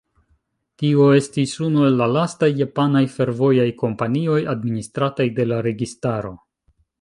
Tio estis unu el la lastaj japanaj fervojaj kompanioj, administrataj de la registaro.